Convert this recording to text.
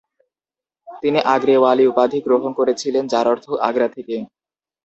তিনি আগ্রেওয়ালি উপাধি গ্রহণ করেছিলেন যার অর্থ "আগ্রা থেকে"।